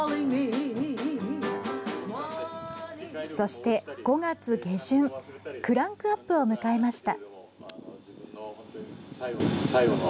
そして、５月下旬クランクアップを迎えました。